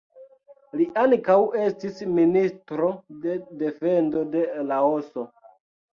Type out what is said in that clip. Li ankaŭ estis Ministro de Defendo de Laoso.